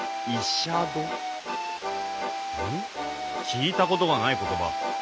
聞いたことがない言葉。